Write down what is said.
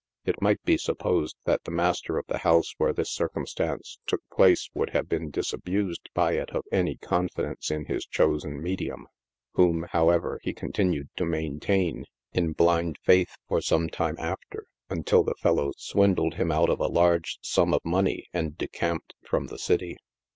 It might be supposed that the master of the house where this circumstance took place would have been disabused by it of any confidence in his chosen medium, whom, however, he continued to maintain, in blind faith, for some time after, until the fellow swin dled him out of a large sum of money and decamped from the city.